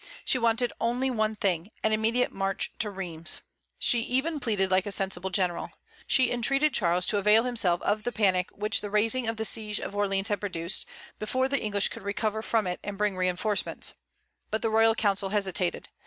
She wanted only one thing, an immediate march to Rheims. She even pleaded like a sensible general. She entreated Charles to avail himself of the panic which the raising of the siege of Orleans had produced, before the English could recover from it and bring reinforcements. But the royal council hesitated.